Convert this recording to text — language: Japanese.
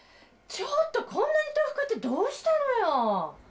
ちょっとこんなに豆腐買ってどうしたのよ？